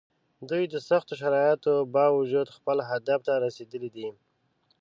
دوی د سختو شرایطو باوجود خپل هدف ته رسېدلي دي.